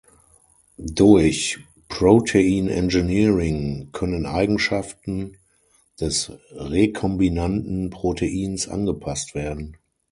Durch "Protein-Engineering" können Eigenschaften des rekombinanten Proteins angepasst werden.